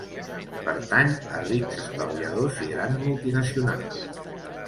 Pertany a rics estalviadors i grans multinacionals.